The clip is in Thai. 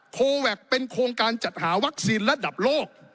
โคแวคเป็นโครงการจัดหาวัคซีนระดับโลก